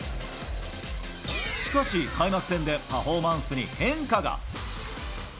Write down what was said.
しかし、開幕戦でパフォーマンスに変化が。